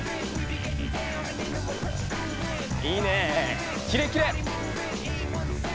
いいねキレキレ！